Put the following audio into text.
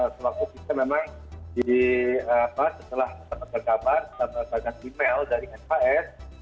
selaku kita memang setelah terkabar terkabar email dari sps